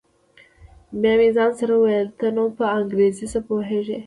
بيا مې ځان سره وويل ته نو په انګريزۍ څه پوهېږې.